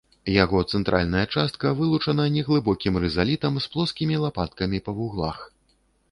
Яго цэнтральная частка вылучана неглыбокім рызалітам з плоскімі лапаткамі па вуглах.